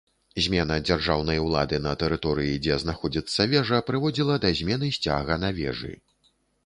Змена дзяржаўнай улады на тэрыторыі, дзе знаходзіцца вежа, прыводзіла да змены сцяга на вежы.